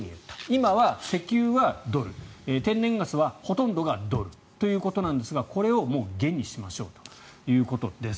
今は石油はドル天然ガスはほとんどがドルということなんですがこれをもう元にしましょうということです。